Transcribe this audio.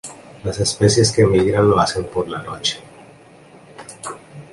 Las especies que migran lo hacen por la noche.